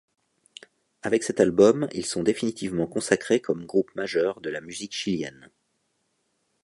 Avec cet album, ils sont définitivement consacrés comme groupe majeur de la musique chilienne.